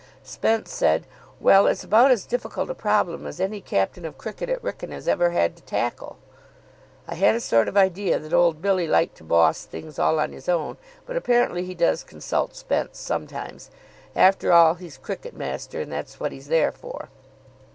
Spence said, 'Well, it's about as difficult a problem as any captain of cricket at Wrykyn has ever had to tackle.' I had a sort of idea that old Billy liked to boss things all on his own, but apparently he does consult Spence sometimes. After all, he's cricket master, and that's what he's there for.